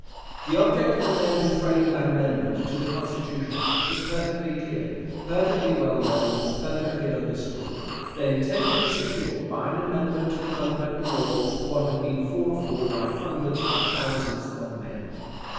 The object of the men who framed that amendment to the Constitution was perfectly clear, perfectly well known, perfectly understood. They intended to secure, by an amendment to the fundamental law, what had been fought for by hundreds of thousands of men.